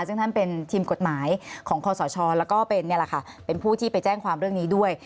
ซึ่งท่านเป็นทีมกฎหมายของคอสชแล้วก็เป็นผู้ที่ไปแจ้งความเรื่องนี้ด้วย